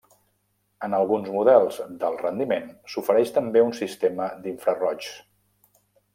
En alguns models d'alt rendiment s'ofereix també un sistema d'infraroigs.